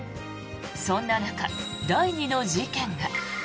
そんな中、第２の事件が。